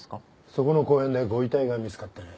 そこの公園でご遺体が見つかってね。